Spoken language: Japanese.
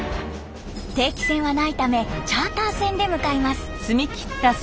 定期船はないためチャーター船で向かいます。